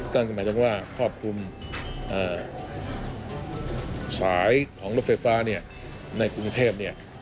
ก็หมายถึงว่าควบคุมสายของรถไฟฟ้าในกรุงเทพ